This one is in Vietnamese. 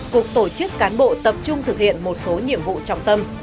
cục tổ chức cán bộ tập trung thực hiện một số nhiệm vụ trọng tâm